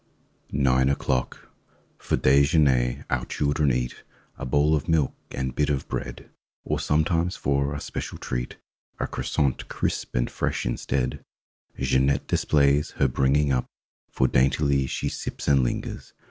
9 NINE O'CLOCK F or dejemier our children eat A bowl of milk and bit of bread; Or sometimes, for a special treat, A croissant, crisp and fresh, instead. Jeanette displays her bringing up. For daintily she sips and lingers.